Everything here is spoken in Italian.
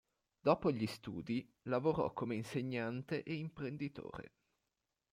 Dopo gli studi lavorò come insegnante e imprenditore.